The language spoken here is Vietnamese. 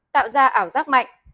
tạo ra ảo giác mạnh